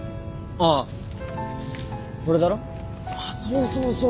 ああそうそうそう。